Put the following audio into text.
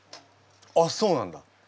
あっそうなんだ！